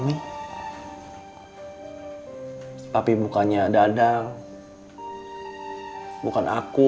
beberapa kali kalian nganggot